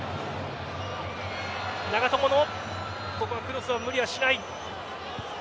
ここはクロスは無理はしない。